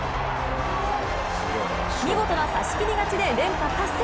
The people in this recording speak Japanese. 見事な差し切り勝ちで連覇達成。